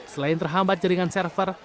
selain terhambat jaringan server